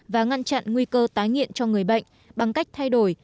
và ngăn chặn nguy cơ tái nghiện cho người bệnh bằng cách thay đổi